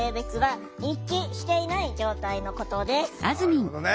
なるほどね。